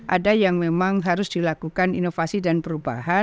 ada yang memang harus dilakukan inovasi dan perubahan